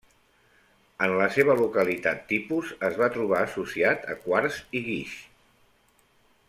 En la seva localitat tipus es va trobar associat a quars i guix.